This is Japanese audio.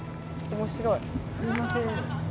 面白い。